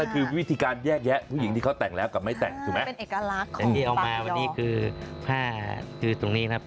พออนุญาตให้กล้องจับมาดูหน่อยนะครับ